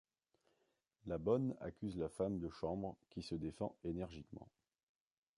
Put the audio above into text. La bonne accuse la femme de chambre qui se défend énergiquement.